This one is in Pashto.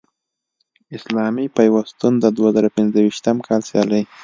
اسلامي پیوستون د دوه زره پنځویشتم کال سیالۍ